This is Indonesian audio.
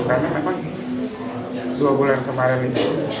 karena memang dua bulan kemarin